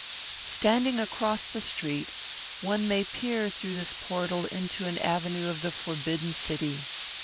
Standing across the street, one may peer through this portal into an avenue of the forbidden city.